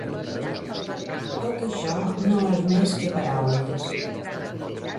Tot això no és més que paraules.